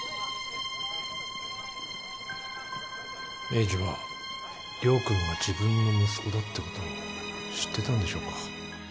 栄治は亮君が自分の息子だってことを知ってたんでしょうか？